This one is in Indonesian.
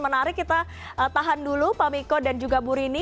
menarik kita tahan dulu pak miko dan juga burini